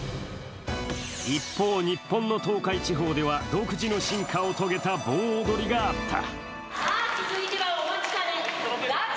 一方、日本の東海地方では独自の進化を遂げた盆踊りがあった。